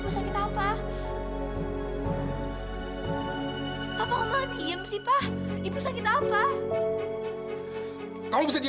saya pak saya mau pergi